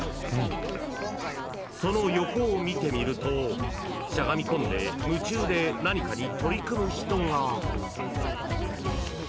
［その横を見てみるとしゃがみこんで夢中で何かに取り組む人が］